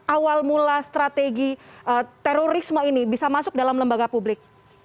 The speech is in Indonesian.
awal mula strategi terorisme ini bisa masuk dalam lembaga publik